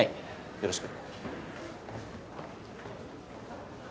よろしく。